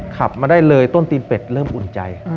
ขับมาได้เลยต้นตีนเป็ดเริ่มอุ่นใจ